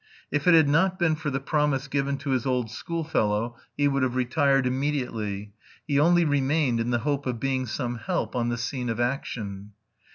If it had not been for the promise given to his old schoolfellow he would have retired immediately; he only remained in the hope of being some help on the scene of action.